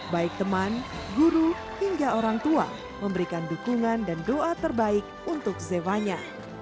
baik teman guru hingga orang tua memberikan dukungan dan doa terbaik untuk zevanya